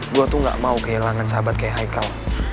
gue tuh gak mau kehilangan sahabat kayak haikal